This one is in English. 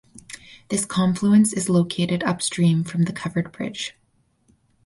This confluence is located upstream from the covered bridge.